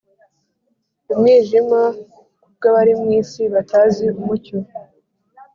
umwijima, kukw abari mw isi batazi umucyo